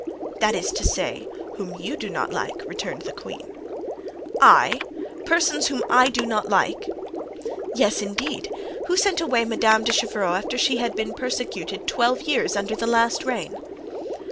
"That is to say, whom you do not like," returned the queen. "I! persons whom I do not like!" "Yes, indeed. Who sent away Madame de Chevreuse after she had been persecuted twelve years under the last reign?"